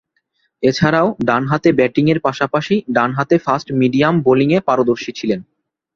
এছাড়াও, ডানহাতে ব্যাটিংয়ের পাশাপাশি ডানহাতে ফাস্ট-মিডিয়াম বোলিংয়ে পারদর্শী ছিলেন।